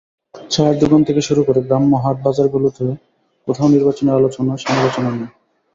চায়ের দোকান থেকে শুরু করে গ্রাম্য হাট-বাজারগুলোতে কোথাও নির্বাচনী আলোচনা-সমালোচনা নেই।